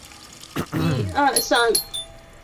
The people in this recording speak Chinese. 卡斯特罗比勒陀里奥是罗马的第十八区。